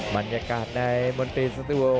บรรยากาศในมนตรีสตูดิโอ